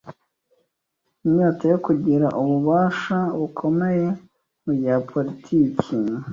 Inyota yo kugira ububasha bukomeye mu bya politiki